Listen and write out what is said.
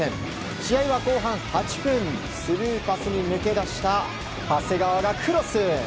試合は後半８分スルーパスに抜け出した長谷川がクロス。